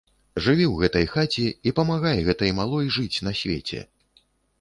Жыві ў гэтай хаце і памагай гэтай малой жыць на свеце.